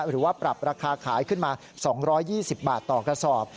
หรือว่าปรับราคาขายขึ้นมาสองร้อยยี่สิบบาทต่อกระสอบ